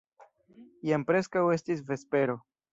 Jam preskaŭ estis vespero.